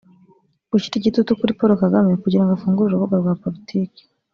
Gushyira igitutu kuri Paul Kagame kugira ngo afungure urubuga rwa politiki